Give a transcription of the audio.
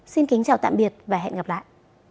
xin kính chào tạm biệt và hẹn gặp lại